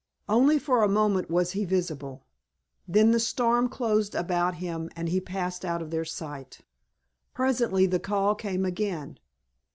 Only for a moment was he visible, then the storm closed about him and he passed out of their sight. Presently the call came again.